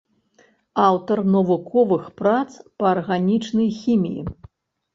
Аўтар навуковых прац па арганічнай хіміі.